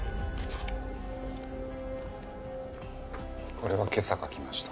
これは今朝描きました。